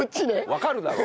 わかるだろ！